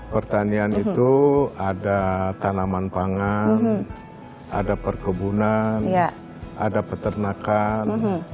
pertanian itu ada tanaman pangan ada perkebunan ada peternakan